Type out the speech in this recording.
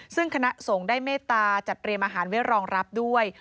ซึ่งคณะสงฆ์ได้เมตตาจัดเตรียมอาหารไว้รองรับด้วย